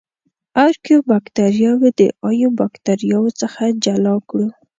ارکیو باکتریاوې د ایو باکتریاوو څخه جلا کړو.